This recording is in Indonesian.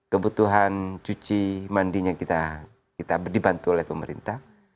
kebutuhan cuci mandinya kita dibantu oleh pemerintah